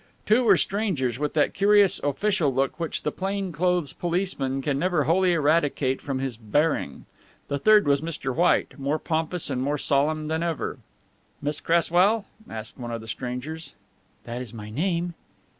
Two were strangers with that curious official look which the plain clothes policeman can never wholly eradicate from his bearing. The third was Mr. White, more pompous and more solemn than ever. "Miss Cresswell?" asked one of the strangers. "That is my name."